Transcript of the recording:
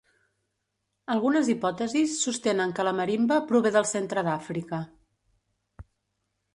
Algunes hipòtesis sostenen que la marimba prové del centre d’Àfrica.